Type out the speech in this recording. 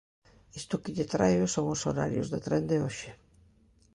Isto que lle traio son os horarios de tren de hoxe.